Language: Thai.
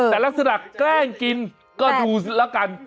แต่ลักษณะแกล้งกินก็ดูแล้วกัน